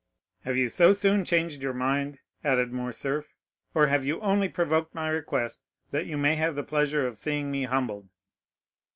"Have you so soon changed your mind," added Morcerf, "or have you only provoked my request that you may have the pleasure of seeing me humbled?"